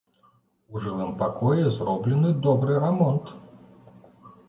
У жылым пакоі зроблены добры рамонт.